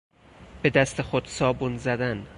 به دست خود صابون زدن